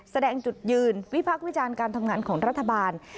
แสดงจุดยืนวิพักษ์วิจารณ์การทำงานของรัฐบาล